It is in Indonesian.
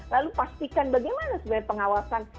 lalu pastikan bagaimana sebenarnya pengawasan